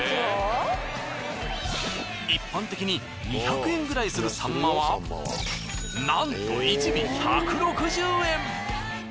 一般的に２００円くらいするサンマはなんと１尾１６０円。